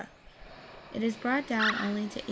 It is brought down only to 1896.